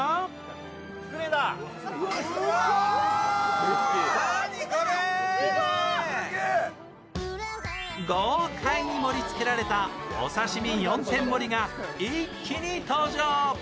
更にここで豪快に盛りつけられたお刺身４点盛りが一気に登場。